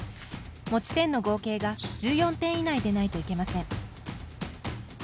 持ち点の合計が１４点以内でないといけません。